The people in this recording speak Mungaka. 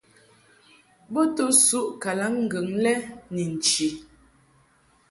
Bo to suʼ kalaŋŋgɨŋ kɛ ni nchi.